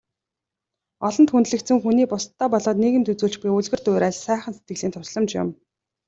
Олонд хүндлэгдсэн хүний бусдадаа болоод нийгэмд үзүүлж буй үлгэр дуурайл, сайхан сэтгэлийн тусламж юм.